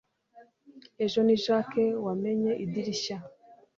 ejo ni jack wamennye idirishya